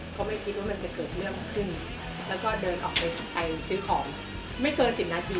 เขาไม่คิดว่ามันจะเกิดเรื่องขึ้นแล้วก็เดินออกไปไปซื้อของไม่เกิน๑๐นาที